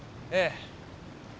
ええ。